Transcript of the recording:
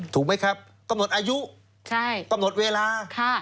ถูกไหมครับกำหนดอายุกำหนดเวลา